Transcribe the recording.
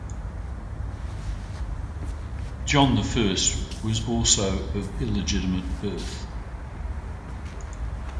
John the First was also of illegitimate birth.